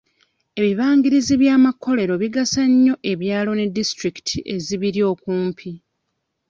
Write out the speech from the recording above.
Ebibangirizi by'amakolero bigasa nnyo ebyalo ne disitulikiti ezibiri okumpi.